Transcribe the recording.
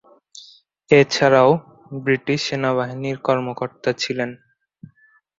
এছাড়াও, ব্রিটিশ সেনাবাহিনীর কর্মকর্তা ছিলেন।